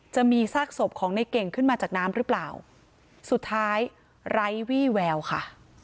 จะมีซากศพของในเก่งขึ้นมาจากน้ำหรือเปล่าสุดท้ายไร้วี่แววค่ะ